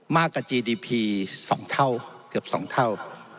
มากกว่าจีร์ดีพีสองเท่าเกือบสองเท่า